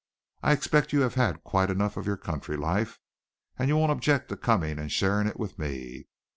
I expect you have had quite enough of your country life, and you won't object to coming and sharing it with me.